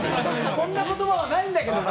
こんな言葉はないんだけどな。